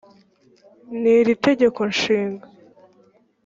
n iri tegeko nshinga